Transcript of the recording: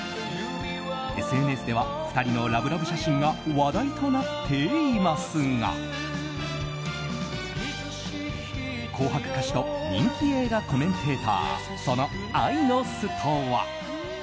ＳＮＳでは２人のラブラブ写真が話題となっていますが「紅白」歌手と人気映画コメンテーターその愛の巣とは。